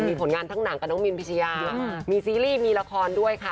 มีผลงานทั้งหนังกับน้องมินพิชยามีซีรีส์มีละครด้วยค่ะ